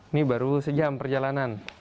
ini baru sejam perjalanan